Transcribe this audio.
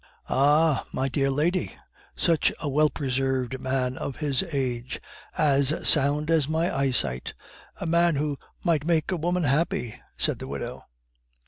"Ah! my dear lady, such a well preserved man of his age, as sound as my eyesight a man who might make a woman happy!" said the widow.